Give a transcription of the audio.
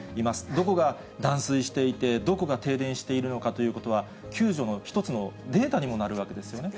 どこが断水していて、どこが停電しているのかということは、救助の一つのデータにもなるわけですよね。